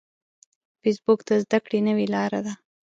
فېسبوک د زده کړې نوې لاره ده